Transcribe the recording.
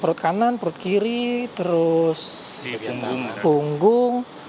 perut kanan perut kiri terus punggung